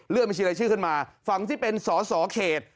บัญชีรายชื่อขึ้นมาฝั่งที่เป็นสอสอเขต